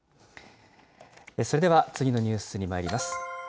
それでは次のニュースにまいります。